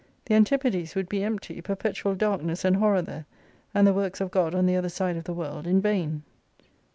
The antipodes would be empty, perpetual darkness and horror there, and the Works of God on the other side of the world in vain.